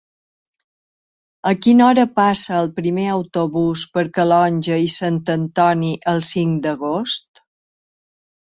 A quina hora passa el primer autobús per Calonge i Sant Antoni el cinc d'agost?